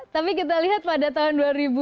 tapi kita lihat pada tahun